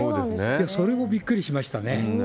それもびっくりしましたね。